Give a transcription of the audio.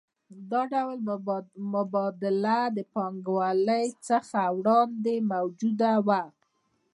دا ډول مبادله له پانګوالۍ څخه وړاندې موجوده وه